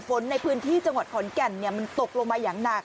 ฝนในพื้นที่จังหวัดขอนแก่นมันตกลงมาอย่างหนัก